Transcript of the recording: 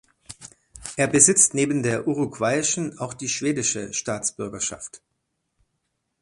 Er besitzt neben der uruguayischen auch die schwedische Staatsbürgerschaft.